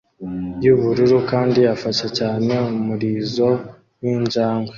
yubururu kandi afashe cyane umurizo winjangwe